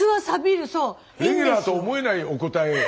レギュラーと思えないお答え。